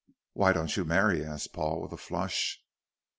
"Why don't you marry?" asked Paul, with a flush.